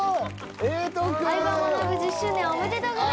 『相葉マナブ』１０周年おめでとうございます！